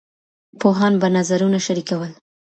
پوهان به نظرونه شريکول.